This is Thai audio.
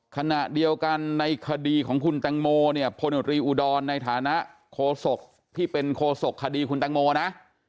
ขณะเดียวกันในคดีของคุณแตงโมเนี่ยพลตรีอุดรในฐานะโคศกที่เป็นโคศกคดีคุณแตงโมนะ